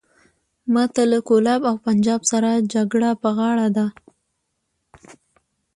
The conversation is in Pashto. ماته له کولاب او پنجاب سره جګړه په غاړه ده.